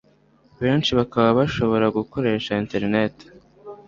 benshi bakaba bashobora gukoresha internet